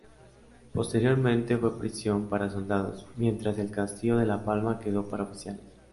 Posteriormente fue prisión para soldados, mientras el castillo de La Palma quedó para oficiales.